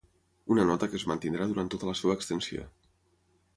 Una nota que es mantindrà durant tota la seva extensió